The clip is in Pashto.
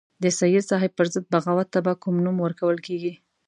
د سید صاحب پر ضد بغاوت ته به کوم نوم ورکول کېږي.